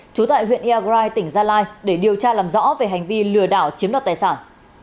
trú tại huyện iagrai tỉnh gia lai để điều tra làm rõ về hành vi lừa đảo chiếm đoạt tài sản